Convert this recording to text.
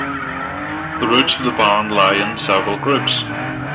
The roots of the band lie in several groups.